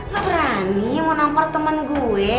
lo berani mau nampar temen gue